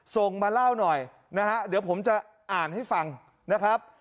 ส่งมาเล่าหน่อยนะฮะเดี๋ยวผมจะอ่านให้ฟังนะครับ